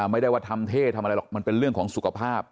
ไม่ได้ว่าทำเท่ทำอะไรหรอกมันเป็นเรื่องของสุขภาพ